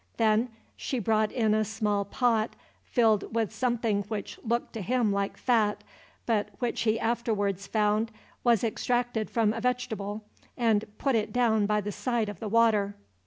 Then she brought in a small pot, filled with something which looked to him like fat, but which he afterwards found was extracted from a vegetable, and put it down by the side of the water.